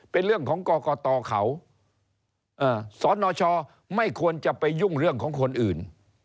เป็นเรื่องของกรกตเขาสนชไม่ควรจะไปยุ่งเรื่องของคนอื่น